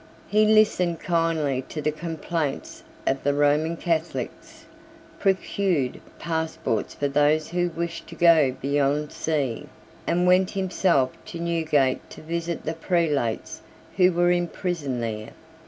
He listened kindly to the complaints of the Roman Catholics, procured passports for those who wished to go beyond sea, and went himself to Newgate to visit the prelates who were imprisoned there.